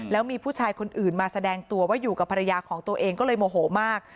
แล้วมีผู้ชายคนอื่นมาแสดงตัวว่าอยู่กับภรรยาของตัวเองก็เลยโมโหมาก